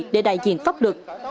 để đại diện pháp luật